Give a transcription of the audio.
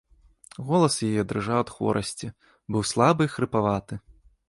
Голас яе дрыжаў ад хворасці, быў слабы і хрыпаваты.